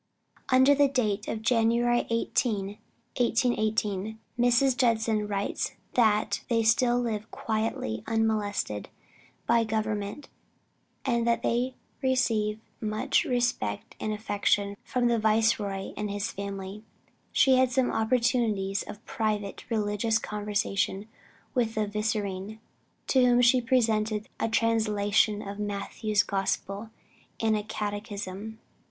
Under date of January 18, 1818, Mrs. Judson writes that they still live quietly, unmolested by government, and that they receive much respect and affection from the Viceroy and his family. She had some opportunities of private religious conversation with the Vicereine, to whom she presented a translation of Matthew's Gospel and a catechism.